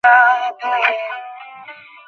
তাঁর হৈচৈ শুনে পরিবারের অন্যান্য সদস্যরা ছুটে আসেন।